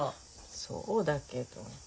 そうだけど。